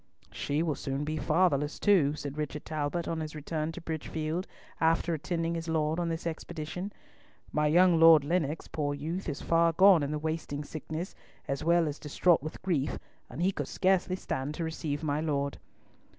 "She will soon be fatherless, too," said Richard Talbot on his return to Bridgefield, after attending his lord on this expedition. "My young Lord Lennox, poor youth, is far gone in the wasting sickness, as well as distraught with grief, and he could scarcely stand to receive my Lord."